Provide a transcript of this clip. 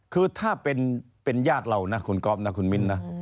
คือถ้าเป็นญาติเรานะคุณก๊อฟนะคุณมิ้นนะ